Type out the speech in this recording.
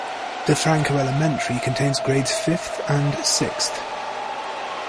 DeFranco Elementary contains grades fifth and sixth.